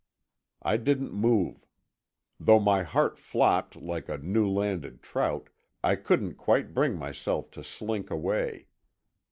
I didn't move. Though my heart flopped like a new landed trout, I couldn't quite bring myself to slink away.